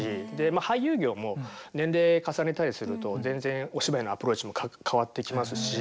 俳優業も年齢重ねたりすると全然お芝居のアプローチも変わってきますし。